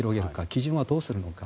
基準はどうするのか。